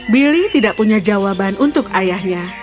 billy tidak punya jawaban untuk ayahnya